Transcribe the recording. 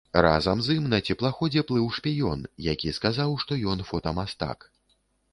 Разам з ім на цеплаходзе плыў шпіён, які сказаў, што ён фотамастак.